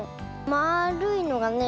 まあるいのがね